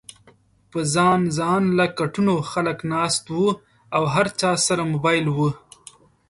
پۀ ځان ځانله کټونو خلک ناست وو او هر چا سره موبايل ؤ